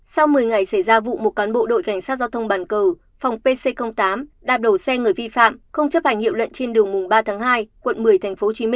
sau một mươi ngày xảy ra vụ một cán bộ đội cảnh sát giao thông bản cầu phòng pc tám đạp đầu xe người vi phạm không chấp hành hiệu lệnh trên đường mùng ba tháng hai quận một mươi tp hcm